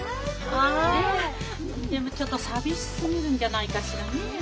あでもちょっと寂しすぎるんじゃないかしらねえ？